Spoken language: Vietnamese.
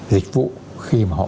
dịch vụ khi mà họ